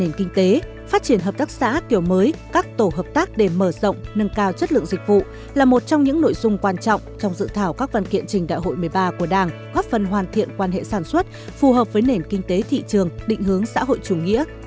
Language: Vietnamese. nền kinh tế phát triển hợp tác xã kiểu mới các tổ hợp tác để mở rộng nâng cao chất lượng dịch vụ là một trong những nội dung quan trọng trong dự thảo các văn kiện trình đại hội một mươi ba của đảng góp phần hoàn thiện quan hệ sản xuất phù hợp với nền kinh tế thị trường định hướng xã hội chủ nghĩa